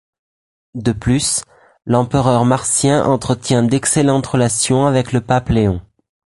De plus, l'empereur Marcien entretient d’excellentes relations avec le pape Léon.